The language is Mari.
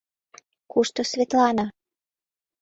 Кушто Светлана?